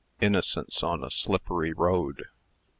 INNOCENCE ON A SLIPPERY ROAD.